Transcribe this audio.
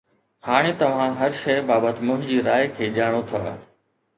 هاڻي توهان هر شيء بابت منهنجي راء کي ڄاڻو ٿا